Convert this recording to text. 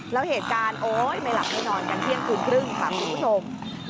แล้วเหตุการณ์โอ๊ยไม่หลับไม่นอนกันเที่ยงคืนครึ่งค่ะคุณผู้ชม